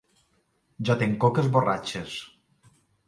Jo tinc coques borratxes!